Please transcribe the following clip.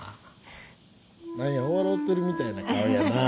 何や笑てるみたいな顔やなあ。